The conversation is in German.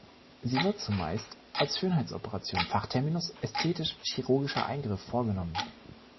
Sie wird zumeist als Schönheitsoperation, Fachterminus „ästhetisch chirurgischer Eingriff“, vorgenommen.